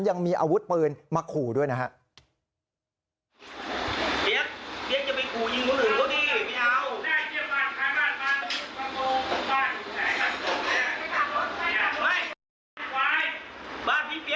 ยังมีอาวุธปืนมาขู่ด้วยนะฮะ